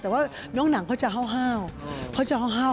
แต่ว่าน้องหนังเขาจะห้าวเขาจะห้าว